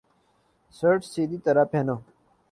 shirt سیدھی طرح پہنو